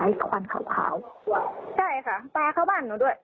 ควันขาวขาวใช่ค่ะปลาเข้าบ้านหนูด้วย